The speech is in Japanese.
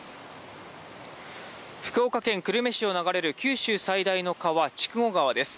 福岡県久留米市を流れる九州最大の川、筑後川です。